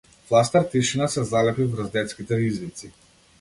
Фластер тишина се залепи врз детските извици.